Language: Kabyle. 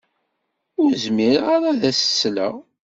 Ur zmireɣ ara ad as-sleɣ.